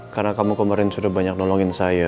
karena kamu kemarin sudah banyak nolongin saya